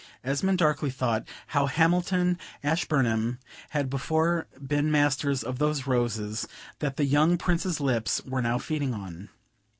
Esmond darkly thought, how Hamilton, Ashburnham, had before been masters of those roses that the young Prince's lips were now feeding on.